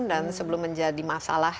dan sebelum menjadi masalah